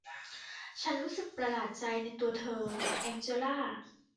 ฉันรู้สึกประหลาดใจในตัวเธอ แองเจล่า